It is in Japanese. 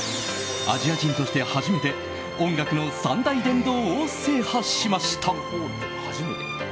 アジア人として初めて音楽の三大殿堂を制覇しました。